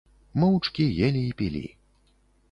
Моўчкі елі і пілі.